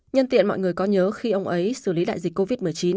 nhân tiện mọi người có nhớ khi ông ấy xử lý đại dịch covid một mươi chín